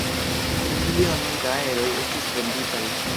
Tri milionoj da eroj estis venditaj.